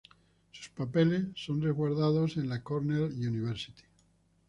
Sus papeles son resguardados en la Cornell University.